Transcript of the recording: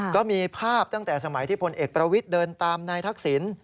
ก็มีภาพตั้งแต่สมัยที่พลเอกประวิทย์เดินตามนายทักษิณ